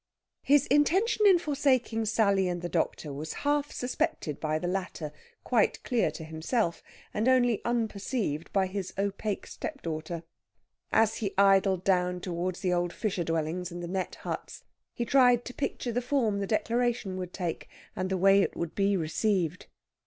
His intention in forsaking Sally and the doctor was half suspected by the latter, quite clear to himself, and only unperceived by his opaque stepdaughter. As he idled down towards the old fisher dwellings and the net huts, he tried to picture the form the declaration would take, and the way it would be received.